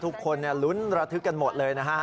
ทุกคนลุ้นระทึกกันหมดเลยนะฮะ